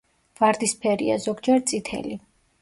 ვარდისფერია, ზოგჯერ წითელი.